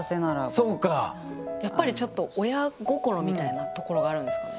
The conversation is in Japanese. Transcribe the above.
やっぱりちょっと親心みたいなところがあるんですか？